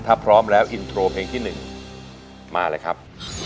ถ้าพร้อมแล้วอินโทรเพลงที่๑มาเลยครับ